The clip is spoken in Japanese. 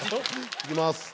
いきます。